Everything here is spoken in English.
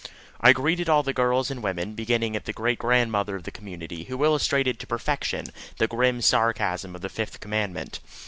I greeted all the girls and women, beginning at the great grandmother of the community, who illustrated to perfection the grim sarcasm of the fifth commandment.